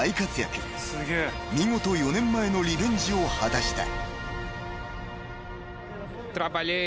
［見事４年前のリベンジを果たした］